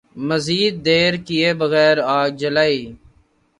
مزید دیر کئے بغیر آگ جلائی